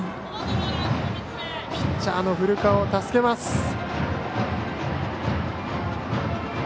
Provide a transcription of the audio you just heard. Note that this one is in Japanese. ピッチャーの古川を助けます。